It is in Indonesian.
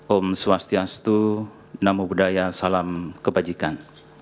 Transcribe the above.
om swastiastu namo buddhaya salam kebajikan